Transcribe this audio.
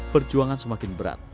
perjuangan semakin berat